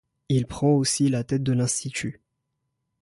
Il prend aussi la tête de l'Institut.